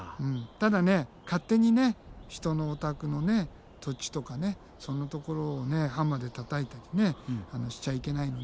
ただね勝手に人のお宅の土地とかそんなところをハンマーでたたいたりねしちゃいけないので。